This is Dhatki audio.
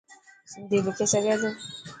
سنڌي لکي سگھي ٿو.